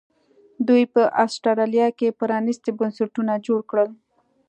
دوی په اسټرالیا کې پرانیستي بنسټونه جوړ کړل.